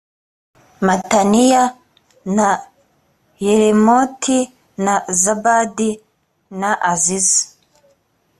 mataniya na yeremoti na zabadi na aziza